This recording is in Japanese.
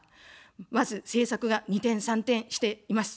まず、政策が二転三転しています。